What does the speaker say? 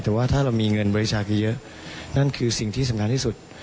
แต่ว่าถ้าเรามีเงินบริจาคไปเยอะนั่นคือสิ่งที่สำคัญที่สุด